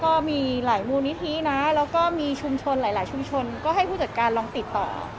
ก็มีหลายมูลนิธินะแล้วก็มีชุมชนหลายชุมชนก็ให้ผู้จัดการลองติดต่อ